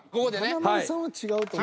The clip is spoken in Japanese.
華丸さんは違うと思う。